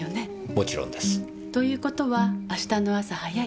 もちろんです。という事は明日の朝早い。